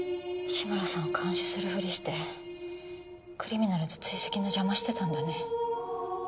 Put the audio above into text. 志村さんを監視するふりしてクリミナルズ追跡の邪魔してたんだね